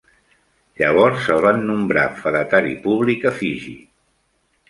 Llavors el van nombrat fedatari públic a Fiji.